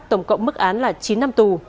tổng cộng mức án là chín năm tù